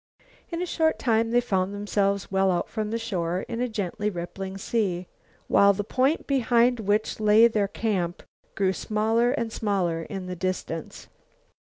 In a short time they found themselves well out from shore in a gently rippling sea, while the point, behind which lay their camp, grew smaller and smaller in the distance.